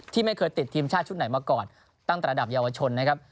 ที่ไม่เคยติดทีมชาติชุดไหนมาก่อนตั้งแต่ระดับเยาวชนนะครับ